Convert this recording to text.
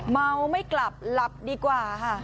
เมาไม่กลับหลับดีกว่าค่ะ